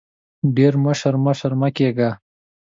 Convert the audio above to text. ډېر مشر مشر مه کېږه !